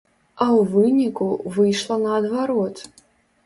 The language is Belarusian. А ў выніку выйшла наадварот.